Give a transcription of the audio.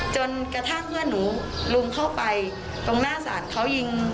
จนกระทั่งเพื่อนหนูลุมเข้าไปตรงหน้าศาลเขายิง